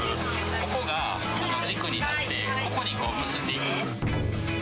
ここが軸になって、ここに結んでいく。